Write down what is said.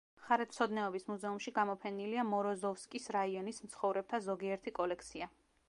მხარეთმცოდნეობის მუზეუმში გამოფენილია მოროზოვსკის რაიონის მცხოვრებთა ზოგიერთი კოლექცია.